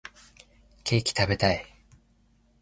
ケーキ食べたい